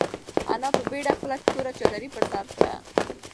انا په بېړه خپله توره چادري پر سر کړه.